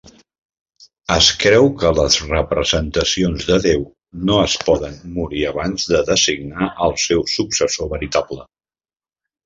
Es creu que les representacions de Déu no es poden morir abans de designar el seu successor veritable.